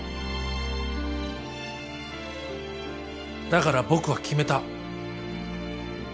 だから僕は決めた。